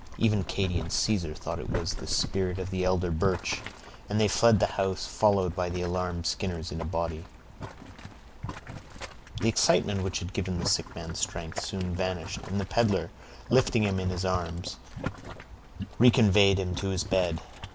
Even Katy and Caesar thought it was the spirit of the elder Birch, and they fled the house, followed by the alarmed Skinners in a body. The excitement which had given the sick man strength, soon vanished, and the peddler, lifting him in his arms, reconveyed him to his bed.